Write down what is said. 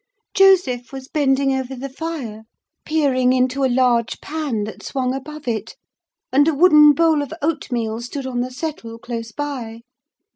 Joseph was bending over the fire, peering into a large pan that swung above it; and a wooden bowl of oatmeal stood on the settle close by.